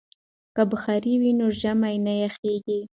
که بخارۍ وي نو ژمی نه یخیږي.